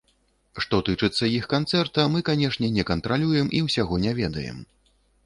Што тычыцца іх канцэрта, мы, канешне, не кантралюем і ўсяго не ведаем.